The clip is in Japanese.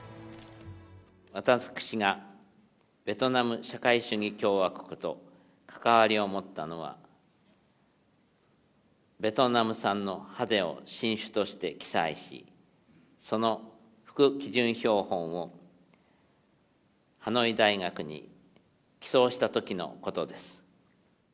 私がベトナム社会主義共和国と関わりを持ったのは、ベトナム産のハゼを新種として記載し、その副基準標本をハノイ大学に寄贈したときのことです。